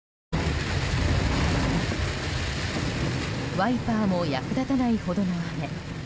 ワイパーも役立たないほどの雨。